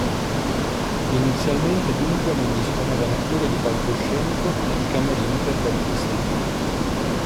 Inizialmente dunque non disponeva neppure di palcoscenico né di camerini per gli artisti.